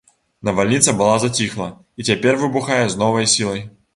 Навальніца была заціхла і цяпер выбухае з новай сілай.